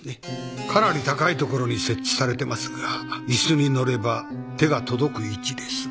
かなり高い所に設置されてますが椅子に乗れば手が届く位置です。